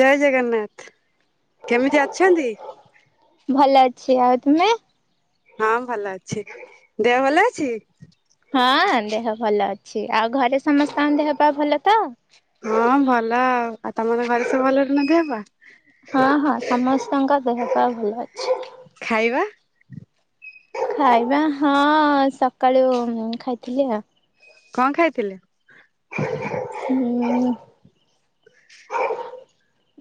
ଜୟ ଜଗନ୍ନାଥ। କେମିତି ଅଛନ୍ତି? ଭଲ ଅଛି, ଆଉ ତୁମେ? ହଁ ଭଲ ଅଛି। ଦେହ ଭଲ ଅଛି? ହଁ, ଦେହ ଭଲ ଅଛି। ଆଉ ଘରେ ସମସ୍ତଙ୍କ ଦେହ ପାହ ଭଲ ତ? ହଁ, ଭଲ ଆଉ। ଆଉ, ତମ ମାନଙ୍କ ଘରେ ସବୁ ଭଲରେ ନା ଦେହ ପାହ? ହଁ, ହଁ ସମସ୍ତଙ୍କ ଦେହ ପାହ ଭଲ ଅଛି। ଖାଇବା? ଖାଇବା ହଁ-ଅଁ, ସକାଳୁ ଉଁ ଖାଇଥିଲି ଆଉ। କଣ ଖାଇଥିଲେ? ହୁଁ।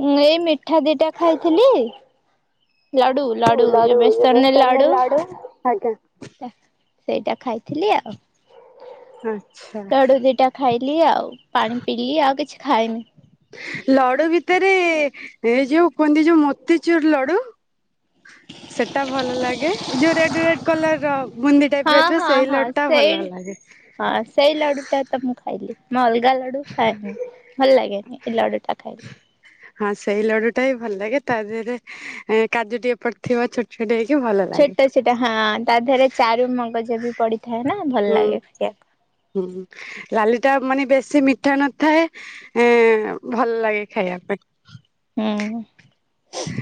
ଏଁ ଇ ମିଠା ଦିଟା ଖାଇଥିଲି। ଲଡୁ ଲଡୁ ଯୋଉ ବେସନ ଲେ ଲଡୁ ଆଜ୍ଞା ହେ ସେଇଟା ଖାଇଥିଲି ଆଉ। ଆଚ୍ଛା। ଲଡୁ ଦିଟା ଖାଇଲି ଆଉ। ପାଣି ପିଇଲି, ଆଉ କିଛି ଖାଇନି। ଲଡୁ ଭିତେରେ ଏଇ ଯୋଉ କୁହନ୍ତି ଯୋଉ ମୋତିଚୁର୍ ଲଡୁ ସେଟା ଭଲ ଲାଗେ। ଯୋଉ ରେଡ୍ ରେଡ୍ କଲର ର ବୁନ୍ଦି ଟାଇପ୍ ର ହଁ ଥିବ, ହଁ ସେଇ ହଁ ଲଡୁ ଟା ଭଲ ସେଇ ଲାଗେ। ହଁ, ସେଇ ଲଡୁ ଟା ତ ମୁଁ ଖାଇଲି। ମୁଁ ଅଲଗା ଲଡୁ ଖାଏନି, ଭଲ୍ ଲାଗେନି। ଏ ଲଡୁଟା ଖାଇଲି। ହଁ, ସେଇ ଲଡୁ ଟା ହି ଭଲ ଲାଗେ, ତା ଦେହେରେ ଏଁ କାଜୁ ଟିକେ ପଡ଼୍ ଥିବ ଛୋଟ୍ ଛୋଟ୍ ହେଇକି ଭଲ ଲାଗେ। ସେଇଟା ହଁ ତା ଦେହେରେ ଚାରୁ ମଗଜ ବି ପଡିଥାଏ ନାଁ, ଭଲ ହୁଁ ଲାଗେ ଟିକେ। ହୁଁ, ଲାଲି ଟା ମାନେ ବେଶୀ ମିଠା ନଥାଏ। ଏଁ ଭଲ ଲାଗେ ଖାଇବା ପାଇଁ। ହୁଁ,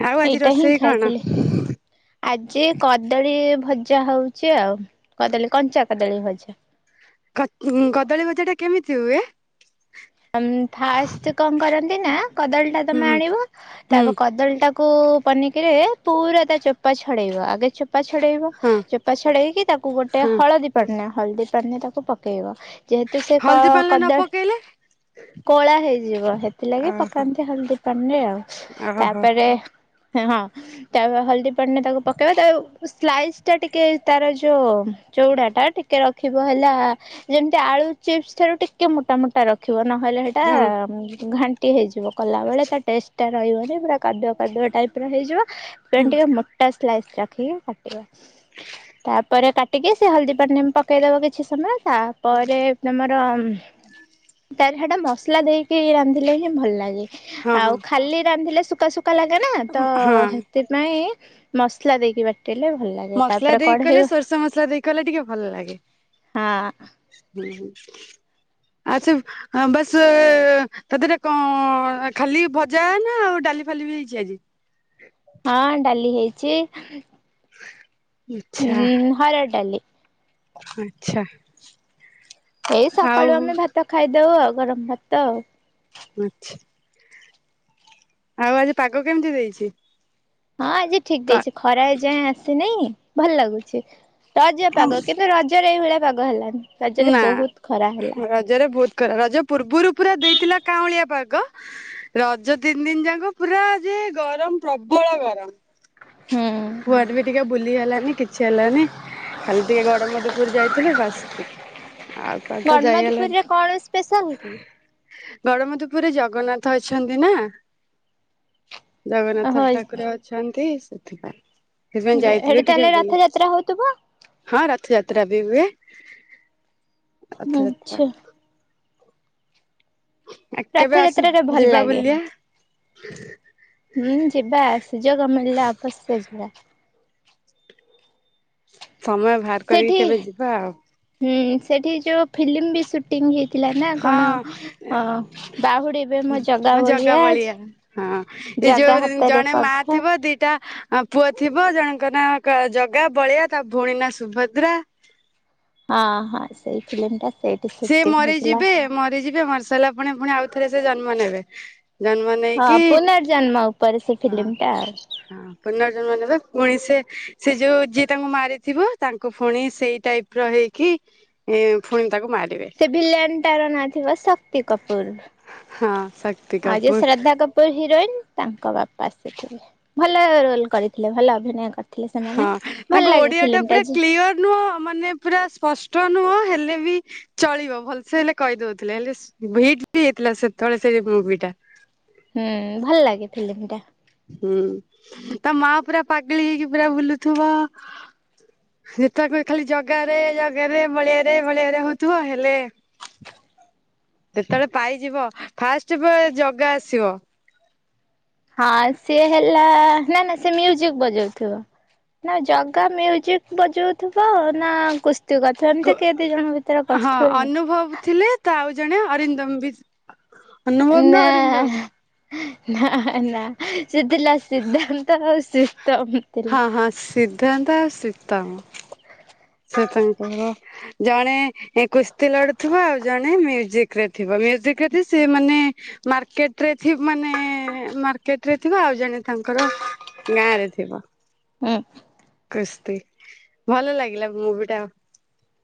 ଆଉ ଆଜି ସେଇଟା ହିଁ ରୋଷେଇ କଣ? ଖାଇଥିଲି। ଆଜି କଦଳୀ ଭଜା ହଉଛି ଆଉ। କଦଳୀ କଞ୍ଚା କଦଳୀ ଭଜା। କଦ୍ ଉଁ, କଦଳୀ ଭଜା ଟା କେମିତି ହୁଏ? ଫାଷ୍ଟ କଣ କରନ୍ତି ନା? କଦଳୀ ଟା ତମେ ହୁଁ ଆଣିବ ହୁଁ ତାକୁ କଦଳୀ ଟାକ୍ କୁ ପନିକିରେ, ପୁରା ତା ଚୋପା ଛଡ଼େଇବ। ଆଗେ ଚୋପା ଛଡ଼େଇବ। ହଁ ଚୋପା ଛଡେଇକି ତାକୁ ଗୋଟେ ହଁ ହଳଦୀ ପାଣିନେ, ହଳଦୀ ପାଣିନେ ତାକୁ ପକେଇବ। ଯେହେତୁ ସେ ହଳଦୀ ପାଣିରେ ନ କ-କଦଳ ପକେଇଲେ କଳା ହେଇଯିବ। ହେଥିଲାଗି ଓହୋ ପକାନ୍ତି ହଳଦୀ ପାଣିରେ ଆଉ। ଓହୋ ତା'ପରେ ହେ ହଁ, ତାପ ହଳଦୀ ପାଣି ରେ ତାକୁ ପକେଇବ। ତା ସ୍ଲାଇସ୍ ଟା ଟିକେ ତାର ଯ ଯୋ ଚୋଉଡ଼ା ଟା ଟିକେ ରଖିବ ହେଲା। ଯେମିତି ଆଳୁ ଚିପ୍ସ ଠାରୁ ଟିକେ ମୋଟା ମୋଟା ରଖି ରଖିବ ନହେଲେ ସେଇଟା ହଁ ଘାଣ୍ଟି ହେଇଯିବ କଲାବେଳେ ତା ଟେଷ୍ଟ ରହିବନି ପୁରା କାଦୁଆ କାଦୁଆ ଟାଇପ ର ହେଇଯିବ ତେ ହୁଁ [unintelligible] ଟିକେ ମ ଟା ସ୍ଲାଇସ୍ ରଖିକି କାଟିବ। ତାପରେ କାଟିକି ସେ ହଳଦୀ ପାଣି ରେ ପକେଇଦବ କିଛି ସମୟ ତା ତାପରେ ପରେ ତୁମର ତାରି ହେଟା ମସଲା ଦେଇକି ରାନ୍ଧିଲେ ହିଁ ଭଲ ଲାଗେ ହଁ ଆଉ ଖାଲି ରାନ୍ଧିଲେ ଶୂକାଶୂ କା ଲାଗେ ନା ତ ହଁ ହେଥିପାଇଁ ମସଲା ଦେଇକି ବାଟିଲେ ଭଲ ଲାଗେ। ମସଲା ତାପରେ ଦେଇକି କଢେଇ କଲେ ହଁ ସୋରିଷ ମସଲା ଦେଇକି କଲେ ଟିକେ ଭଲ ଲାଗେ। ଆଉ ସବୁ ବାସ୍ ତାଦିହରେ କଁ ଖାଲି ଭଜା ନା ଆଉ ଡାଲି ଫାଲି ବି ହେଇଛି ଆଜି? ହଁ ଡାଲି ହେଇଚି। ଆଚ୍ଛା ହୁଁ ହରଡ଼ ଡାଲି। ଆଚ୍ଛା। ଏଇ ଆଉ ସକାଳୁ ଆମେ ଭାତ ଖାଇଦୋଉ ଆଉ ଗରମ ଭାତ ଆଉ। ଆଛା। ଆଉ ଆଜି ପାଗ କେମିତି ଦେଇଚି? ହଁ ଆଜି ଠିକ୍ ଦେଇଚି ଖରା ଏଯାଏଁ ଆସିନି ଭଲ ଲାଗୁଚି ରଜ ପାଗ କେବେ ରଜ ରଜରେ ଏଇଭଳିଆ ପାଗ ହେଲାନି ରଜରେ ନା ବୋହୁତ ଖରା ହେଲା। ରଜରେ ବୋହୁତ ଖରା ରଜ ପୂର୍ବରୁ ପୁରା ଦେଇଥିଲା କାଉଁ ଳିଆ ପାଗ ରଜ ତିନି ଦିନ ଯାଙ୍କ ପୁରା ଯେ ଗରମ ପ୍ରବଳ ଗରମ। ହୁଁ କୁଆଡେ ବି ଟିକେ ବୁଲି ହେଲାନି, କିଛି ହେଲାନି। ଖାଲି ଟିକେ ଗଡମଧୁପୁର ଯାଇଥିଲୁ ବାସ୍। ଆଉ କୁଆଡେ ତ ଯାଇ ହେଲାନି ଗଡମଧୁପୁରରେ କଣ ସ୍ପେଶାଲ କି? ଗଡମଧୁପୁରରେ ଜଗନ୍ନାଥ ଅଛନ୍ତି ନା। ଜଗନ୍ନାଥ ଓହୋ ଠାକୁରେ ଅଛନ୍ତି ସେଥିପାଇଁ। ସେଥିପାଇଁ ହେଠି ଯାଇଥିଲୁ ଟିକେ ତାହେଲେ ବୁଲି। ରଥଯାତ୍ରା ହଉଥିବ? ହଁ ରଥଯାତ୍ରା ବି ହୁଏ। ରଥଯାତ୍ରା ଆଚ୍ଛା। ଆ କେବେ ରଥଯାତ୍ରାରେ ଆସୁନ ଭଲ ଯିବା ଲାଗେ। ବୁଲି? ହୁଁ ଯିବା ସୁଯୋଗ ମିଳିଲା ଅବଶ୍ୟ ଯିବା। ସମୟ ଭାହାର କରିକି ସେଠି କେବେ ଯିବା ଆଉ। ହୁଁ ସେଠି ଯୋଉ ଫିଲ୍ମ ବି ସୁଟ୍ ଟିଂ ହେଇଥିଲା ନା, କଣ ହଁ ଅ ବାହୁଡିବେ ମୋ ଜଗା ବଳିଆ। ହଁ ଏଇ ଜଗା ଯୋଉ ହାତରେ ଜଣେ ମା ପଘା ଥିବ ଦିଟା ହଁ ପୁଅ ଥିବ, ଜଣଙ୍କ ନାଁ କା ଜଗା, ବଳିଆ ତା ଭୋଉଣୀ ନା ସୁଭଦ୍ରା। ହଁ ହଁ। ସେଇ ଫିଲ୍ମଟା ସେଇଠି ସେ ସୁଟିଂ ହେଇଥିଲା। ମରିଯିବେ ମରିଯିବେ ମରିସାରିଲା ପୁଣି ପୁଣି ଆଉଥରେ ସେ ଜନ୍ମ ନେବେ। ଜନ୍ମ ହଁ ନେଇକି ପୁନର୍ଜନ୍ମ ଉପରେ ସେ ହଁ ଫିଲ୍ମ ଟା ଆଉ। ହଁ। ପୁନର୍ଜନ୍ମ ନେବେ ପୁଣି ସିଏ ସେ ଯୋଉ ଯିଏ ତାଙ୍କୁ ମାରିଥିବ, ତାଙ୍କୁ ଫୁଣି ସେଇ ଟାଇପର ହେଇକି ଏ ଫୁଣି ତାକୁ ମାରି ସେ ଭିଲିଆନଟାର ନାଁ ଥିବ ଶକ୍ତି କପୁର। ହଁ ଶକ୍ତି ଆଉ ଯିଏ କପୁର ଶ୍ରଦ୍ଧା କପୁ ପୁର୍ ହିରୋଇନ, ତାଙ୍କ ବାପା ଆସିଥିଲେ। ଭଲ ରୋଲ୍ କରିଥିଲେ, ଭଲ ଅଭିନୟ କରିଥିଲେ। ହଁ ସେମାନେ ଭଲ ତାଙ୍କ ଲାଗେ ଓଡିଆଟା ଫିଲ୍ମ ଟା ପୁରା ଯେ କ୍ଲିଅର ନୁହଁ, ମାନେ ପୁରା ସ୍ପଷ୍ଟ ନୁହଁ, ହେଲେ ବି ଚଳିବ, ଭଲସେ ହେଲେ କହିଦଉଥିଲେ। ହେଲେ ଭିଟ ବି ହେଇଥିଲା ସେତେବେଳେ ସେ ମୁଭିଟା। ହୁଁ ଭଲ ଲାଗେ ଫିଲ୍ମଟା। ହୁଁ। ତା ମା ପୁରା ପାଗେଳି ହେଇକି ପୁରା ବୁଲୁଥିବ ସେତକ କହି ଖାଲି ଜଗାରେ ଜଗାରେ, ବଳିଆରେ, ବଳିଆରେ ହଉଥିବ, ହେଲେ ଯେତେବେଳେ ପାଇଯିବ, ଫାଷ୍ଟ ଫେ ଜଗା ଆସିବ। ହଁ ସିଏ ହେଲା ନା ନା, ସିଏ ମ୍ୟୁଜିକ ବଜଉଥିବ। ନା ଜଗା ମ୍ୟୁଜିକ ବଜଉଥିବ ନା କୋସ୍ତ୍ କୁସ୍ତି କରୁଥିବ, ଏମତି କିଏ ଦି ଜଣଙ୍କ ଭିତରେ ହଁ କରୁଥିବେ। ଅନୁଭବ ଥିଲେ, ତ ଆଉ ଜଣେ ଅରିନ୍ଦମ ବି। ଅନୁଭବ ନା ଅରିନ୍ଦମ? ନା ନା, ସେ ଥିଲା ସିଦ୍ଧାନ୍ତ ଆଉ ଶ୍ରୀତମ। ଥିଲା। ହଁ ହଁ ସିଦ୍ଧାନ୍ତ ଆଉ ଶ୍ରୀତମ। ସେ ତାଙ୍କର ଜଣେ କୁସ୍ତି ଲଡୁଥିବ ଆଉ ଜଣେ ମ୍ୟୁଜିକରେ ଥିବ ମ୍ୟୁଜିକରେ ଯିଏ ସିଏ ମାନେ ମାର୍କେଟରେ ଥି ମାନେ ମାର୍କେଟରେ ଥିବ ଆଉ ଜଣେ ତାଙ୍କର ଗାଁରେ ଥିବ। ହୁଁ। କୁସ୍ତି, ଭଲ ଲାଗିଲା ମୁଭିଟା।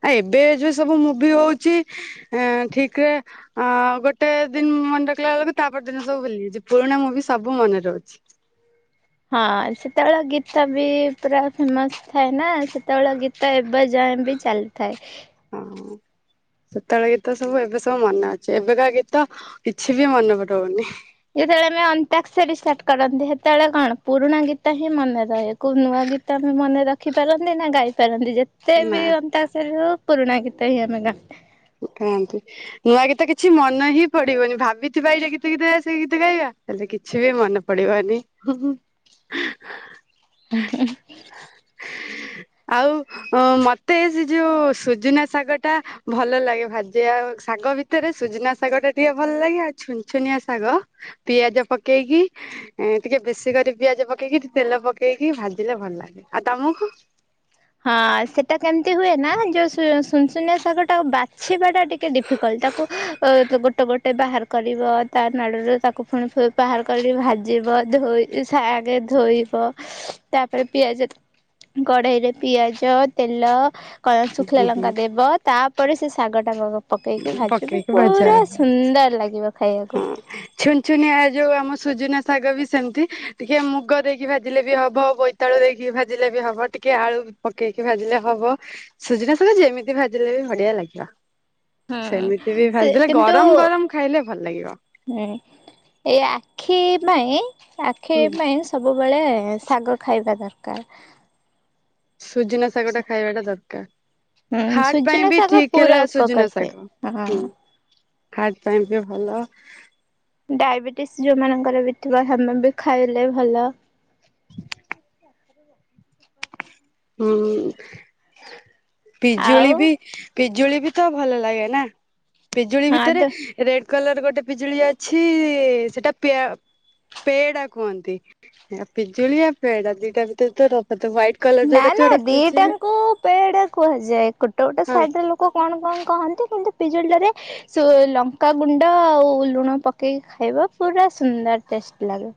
ଆ ଏବେ ଏ ଯୋଉ ସବୁ ମୁଭି ହଉଛି ଏ ଠିକରେ ଅ ଗୋଟେ ଦିନ ମନେ ରଖିଲା ବେଳକୁ ତାପର ଦିନ ସବୁ ଭୁଲି ଯାଉଛି, ପୁରୁଣା ମୁଭି ସବୁ ମନେ ରହୁଛି। ହଁ ସେତେବେଳ ଗୀତ ବି ପୁରା ଫେମସ ଥାଏ ନା, ସେତେବେଳେ ଗୀ ତ ଏବେ ଯାଏଁ ବି ଚାଲିଥାଏ। ହଁ। ସେତବେଳେ ଗୀତ ସବୁ ଏବେ ସବୁ ମନେ ଅଛି, ଏବେକା ଗୀତ କିଛି ବି ମନେ ରହୁନି। ଯେତେବେଳେ ଆମେ ଅନ୍ତାକ୍ଷରୀ ବି ଷ୍ଟାର୍ଟ କରନ୍ତି, ସେତେବେଳେ କଣ ପୁରୁଣା ଗୀତ ହିଁ ମନେ ରହେ। କୋଉ ନୂଆ ଗୀତ ଆମେ ମନେ ରଖିପାରନ୍ତି ନା ଗାଇ ପାରନ୍ତି ଯେ ସେ ବି ନା ଅନ୍ତା ସେ ପୁରୁଣା ଗୀତ ହିଁ ଆମେ ଗାଆ କାନ୍ତି ନୂଆ ଗୀତ କିଛି ମନ ହିଁ ପଡିବନି ଭାବିଥିବା ଏଇଟା ଗୀତ ଗୀତ ଗାଇବା ସେଇ ଗୀତ ଗାଇବା ହେଲେ କିଛି ବି ମନେ ପଡିବନି ହୁଁ ହୁଁ ଉୁଁ ହ [inaudible] ଆଉ ଉ ମତେ ସେ ଯୋଉ ସୁଜୁନା ଶାଗ ଟା ଭଲ ଲାଗେ ଭାଜ ଆ ଶାଗ ଭିତରେ ସୁଜନା ଶାଗ ଟା ଟିକେ ଭଲ ଲାଗେ ଆଉ ଛୁନୁ ଛୁନିଆ ଶାଗ ପିଆଜ ପକେଇକି ଟିକେ ବେଶୀ କରି ପିଆଜ ପକେଇକି ଟିକେ ତେଲ ପକେଇକି ଭାଜିଲେ ଭଲ ଲାଗେ ଆଉ ତମକୁ ହଁ ସେଟା କେମିତି ହୁଏ ନା ଯୋଉ ସୁ ସୁନୁ ସୁନିଆ ଶାଗ ଟା ବାଛିବା ଟା ଟିକେଡି ଫିକଲ୍ଟ ତାକୁ ଗୋଟେ ଗୋଟେ ବାହାର କରିବ ତା ନାଡ଼ରୁ ତାକୁ ପୁଣି ବାହାର କରିକି ଭାଜିବ ଧୋଇ ସାଗେ ଧୋଇବ ତାପରେ ପିଆଜ କଡ଼େଇରେ ପିଆଜ ତେଲ କ ଶୁଖିଲା ଲଙ୍କା ଦେବ ତାପରେ ସେ ଶାଗ ଟା ବଗ ପକେଇକି ଭାଜିବୁ ପକେଇକି ପୁରା ଭାଜ ସୁନ୍ଦର ଲାଗିବ ଖାଇବାକୁ ଛୁନ ଛୁନିଆ ଯୋଉ ଆମ ସୁଜୁନା ଶାଗ ବି ସେମିତି ଟିକେ ମୁଗ ଦେଇକି ଭାଜିଲେ ବି ହବବ ତାଳୁ ଦେଇକି ଭାଜିଲେ ବି ହବ ଟିକେ ଆଳୁ ପକେଇକି ଭାଜିଲେ ହବ ସୁଜିନା ଶାଗ ଯେମିତି ଭାଜିଲେ ବି ବଢିଆ ଲାଗିବ ହୁଁ ସେମିତି ବି ସେ ଭାଜିଦେଲେ କିନ୍ତୁ ଗରମ ଗରମ ଖାଇଲେ ଭଲ ଲାଗିବ ହୁଁ ଏଇ ଆଖି ପାଇଁ ଆଖି ହୁଁ ପାଇଁ ସବୁବେଳେ ଶାଗ ଖାଇବା ଦରକାର। ସୁଜୁନା ଶାଗଟା ଖାଇବା ଟା ଦରକାର। ହୁଁ ହାର୍ଟ ପାଇଁ ସୁଜୁନା ବି ଶାଗ ଠିକ ପୁରା ହେଲା ଉପକାର ସୁଜୁନା ଦିଏ। ଶାଗ ହୁଁ। ହଁ ହାର୍ଟ ପାଇଁ ବି ଭଲ। ଡାଇବେଟିସ୍ ଯୋଉମାନଙ୍କର ବି ଥିବ ସେମାନେ ବି ଖାଇଲେ ଭଲ। [unintelligible] ହୁଁ ଆଉ ପିଜୁଳି ବି ପିଜୁଳି ବି ତ ଭଲ ଲାଗେନା। ପିଜୁଳି ହଁ ତ ଭିତରେ ରେଡ କଲର ଗୋଟେ ପିଜୁଳି ଅଛି ସେଟା ପିଆ ପେଡା କୁହନ୍ତି ପିଜୁଳି ଆ ପେଡା ଦିଟା ଭିତରେ ତର ହାଇଟ୍ ନା ନା ଦିଟାଙ୍କୁ ପେଡା କୁହାଯାଏ। ଗୋଟେ ଗୋଟେ ହଁ ସାଇଟରେ ଲୋକ କ କଣ କଣ କହନ୍ତି କିନ୍ତୁ ପିଜୁଳିଟାରେ ସେ ଲଙ୍କାଗୁଣ୍ଡ ଆଉ ଲୁଣ ପକେଇକି ଖାଇବା ପୁରା ସୁନ୍ଦର ଟେଷ୍ଟ ଲାଗେ।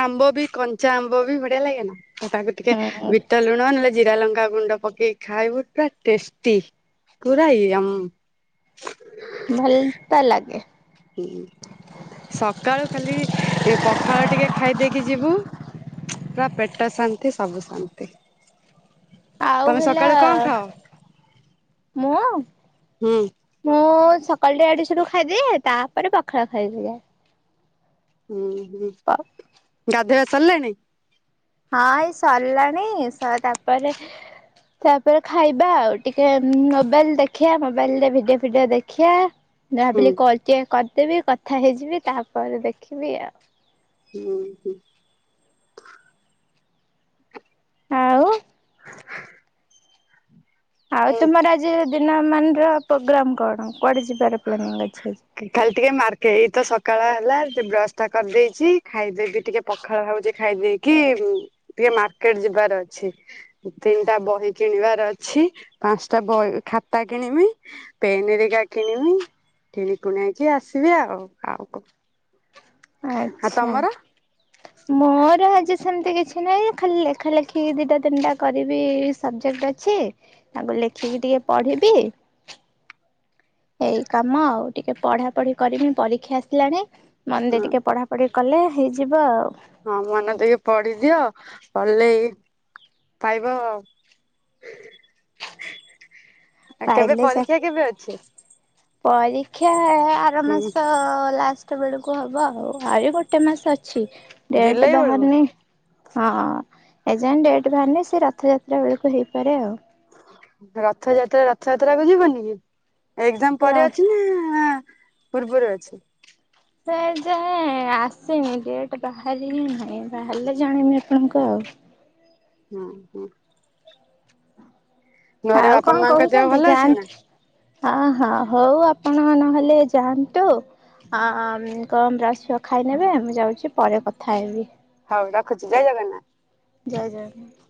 ଆମ୍ବ ବି କଞ୍ଚା ଆମ୍ବ ବି ବଢ଼ିଆ ଲାଗେ ନା ତାକୁ ଟିକେ ହୁଁ ବିଟ ଲୁଣ ନହେଲେ ଜିରା ଲଙ୍କା ଗୁଣ୍ଡ ପକେଇକି ଖାଇବୁ ପୁରା ଟେଷ୍ଟି ପୁରା ଇୟମ ଭଲ ତ ଲାଗେ। ହୁଁ ସକାଳୁ ଖାଲି ପଖାଳ ଟିକେ ଖାଇଦେଇକି ଯିବୁ। ପୁରା ପେଟ ଶାନ୍ତି ସବୁ ଶାନ୍ତି। ଆଉ ତମେ ହେଲା ସକାଳୁ କଣ ଖାଅ? ମୁଁ ହୁଁ। ମୁଁ ସକାଳଟା ଇଆଡେ ସିଆଡୁ ଖାଇଦିଏ ତାପରେ ପଖାଳ ଖାଇଦିଏ। ହୁଁ ହୁଁ। ଆ ଗାଧେଇବା ସରିଲାଣି? ହଁ ଏଇ ସରିଲାଣି ଶ ତାପରେ ତାପରେ ଖାଇବା ଆଉ ଟିକେ ମୋବାଇଲ ଦେଖିବା ମୋବାଇଲ ରେ ଭିଡିଓ ଫିଡିଓ ଦେଖିବା। ହୁଁ ଭାବିଲି କଲ ଟିକେ କରିଦେବି କଥା ହେଇଯିବି ତାପରେ ଦେଖିବି ଆଉ। ହୁଁ ହୁଁ। ଆଉ ଆଉ ହୁଁ। ତୁମର ଆଜିର ଦିନ ମାନର ପ୍ରୋଗ୍ରାମ କଣ? କୁଆଡେ ଯିବାର ପ୍ଲାନିଂ ଅଛି ଆଜି? ଖାଲି ଟିକେ ମାର୍କେ ଏଇ ତ ସକାଳ ହେଲା ସେ ବ୍ରସ ଟା କରିଦେଇଛି ଖାଇଦେବି ଟିକେ ପ ଖାଳ ହୋଉଛି ଖାଇଦେଇକି ଟିକେ ମାର୍କେଟ ଯିବାର ଅଛି। ତିନିଟା ବହି କିଣିବାର ଅଛି ପାଞ୍ଚଟା ବହି ଖାତା କିଣମି। ପେନ ହେରିକା କିଣିବି। କିଣିକୁଣାକି ଆସିବି ଆଉ। ଆଉ କଣ? ଆଚ୍ଛା। ହଁ ମୋର ଆଜି ସେମିତି କିଛି ନାହିଁ ଖାଲି ଲେଖା ଲେଖି ଦିଟା ତିନିଟା କରିବି ସବଜେକ୍ଟ ଅଛି। ତାଙ୍କୁ ଲେଖିକି ଟିକେ ପଢିବି। ଏଇ କାମ ଆଉ ଟିକେ ପଢାପଢି କରିମି ପରୀକ୍ଷା ଆସିଲାଣି ହଁ ମନଦେଇ ଟିକେ ପଢା ପଢି କଲେ ହେଇଯିବ ଆଉ। ହଁ ମନେଦେଇକି ପଢିଦିଅ ପଢିଲେ ଏଇ ପାଇବ ଆଉ କେବେ ପାଇଲେ ଚାକି ପରୀକ୍ଷା କେବେ ଅଛି? ପରୀକ୍ଷା ଆର ହୁଁ ମାସ ଲାଷ୍ଟ ହେତେବେଳକୁ ହବ ଆଉ। ଆହୁରି ଗୋଟେ ମାସ ଅଛି ଡେଟ ଜୁଲାଇ ବେଳକୁ ବାହାରିନି ହଁ ଏଯାୟ ଡେଟ୍ ବାହାରିନି ସେ ରଥଯାତ୍ରା ବେଳକୁ ହେଇପାରେ ଆଉ। ରଥଯାତ୍ରା ରଥଯାତ୍ରା କୁ ଯିବନି କି ଏକଯାମ ର ପରେ ଅଛି ନା ପୂର୍ବରୁ ଅଛି। ସେ ଏଯାଏ ଆସିନି ଡେଟ ବାହାରିି ନାହିଁ ବାହାରିଲେ ଜାଣମି ଆପଣଙ୍କୁ ଆଉ। ହଁ ହୁଁ। ଘରେ ଆଉ ବାପା କଣ ମାଙ୍କ ଦେହ କହୁଛନ୍ତି ଭଲ ଯାଆ ଅଛି ନା? ନ୍ ହ ହଁ ହଉ ଆପଣ ନହେଲେ ଯାଆନ୍ତୁ। ହଁ କମ ର ଆସିବ ଖାଇ ନେବେ ମୁଁ ଯାଉଛି ପରେ କଥା ହେବି। ହଉ ରଖୁଛି ଜୟ ଜଗନ୍ନାଥ। ଜୟ ଜଗନ୍ନାଥ।